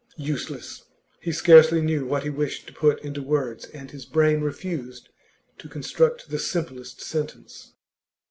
Useless; he scarcely knew what he wished to put into words, and his brain refused to construct the simplest sentence.